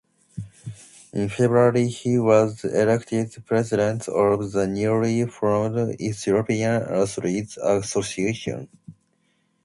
In February, he was elected president of the newly formed Ethiopian Athletes' Association.